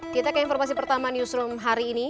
kita ke informasi pertama newsroom hari ini